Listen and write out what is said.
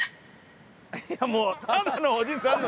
いやもうただのおじさん！